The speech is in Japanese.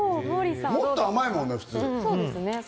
もっと甘いもんね、普通。